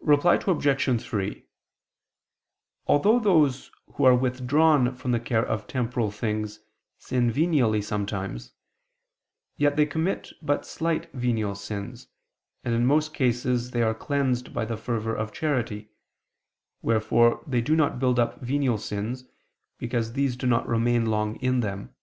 Reply Obj. 3: Although those who are withdrawn from the care of temporal things, sin venially sometimes, yet they commit but slight venial sins, and in most cases they are cleansed by the fervor of charity: wherefore they do not build up venial sins, because these do not remain long in them.